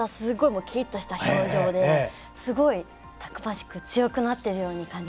もうキリッとした表情ですごいたくましく強くなっているように感じました。